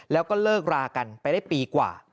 แล้วก็เลิกรากันไปได้ปีกว่า